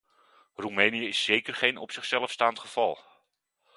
Roemenië is zeker geen op zichzelf staand geval.